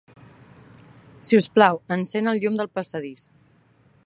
Sisplau, encén el llum del passadís.